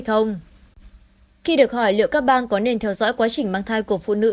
khi được hỏi liệu các bang có nên theo dõi quá trình mang thai của phụ nữ